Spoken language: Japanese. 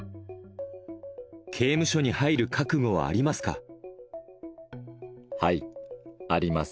刑務所に入る覚悟はあります